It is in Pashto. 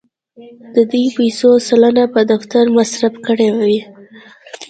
د دې پیسو سلنه په دفتر مصرف کړې وې.